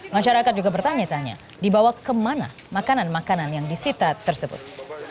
masyarakat juga bertanya tanya dibawa kemana makanan makanan yang disita tersebut